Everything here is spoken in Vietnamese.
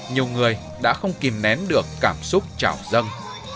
nhiều người đã không kìm nén được cảm xúc chào dân